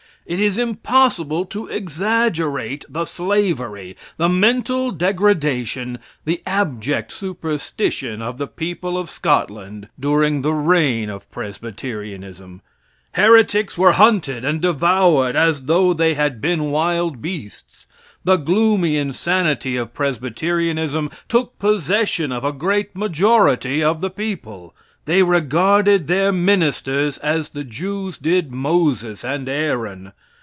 It is impossible to exaggerate the slavery, the mental degradation, the abject superstition of the people of Scotland during the reign of Presbyterianism. Heretics were hunted and devoured as though they had been wild beasts. The gloomy insanity of Presbyterianism took possession of a great majority of the people. They regarded their ministers as the Jews did Moses and Aaron.